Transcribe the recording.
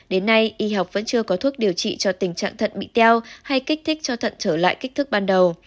đến nay y học vẫn chưa có thuốc điều trị cho tình trạng thận bị teo hay kích thích cho thận trở lại kích thước ban đầu